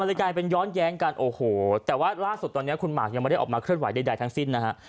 เลยกลายเป็นย้อนแย้งกันโอ้โหแต่ว่าล่าสุดตอนนี้คุณหมากยังไม่ได้ออกมาเคลื่อนไหวใดทั้งสิ้นนะฮะ